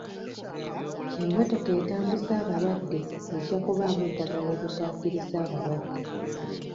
Emmotoka etambuza balwadde ejja kubaamu eddagala eritaakiriza abalwadde.